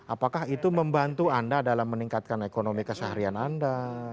apakah itu membantu anda dalam meningkatkan ekonomi keseharian anda